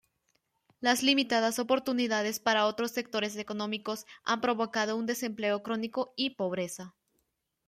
Las limitadas oportunidades para otros sectores económicos han provocado un desempleo crónico y pobreza.